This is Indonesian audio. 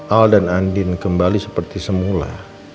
al dan andin kembali seperti semula